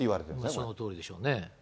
そのとおりでしょうね。